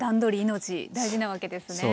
命大事なわけですね。